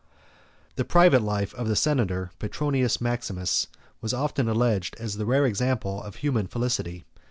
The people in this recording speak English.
The private life of the senator Petronius Maximus 1 was often alleged as a rare example of human felicity.